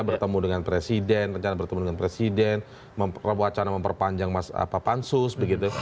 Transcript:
bertemu dengan presiden rencana bertemu dengan presiden wacana memperpanjang pansus begitu